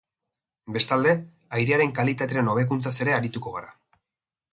Bestalde, airearen kalitatearen hobekunzatz ere arituko gara.